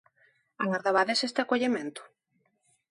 Agardabades este acollemento?